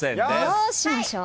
どうしましょう。